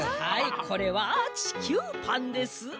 はいこれはちきゅうパンです。